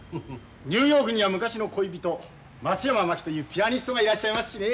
ニューヨークには昔の恋人松山真紀というピアニストがいらっしゃいますしね。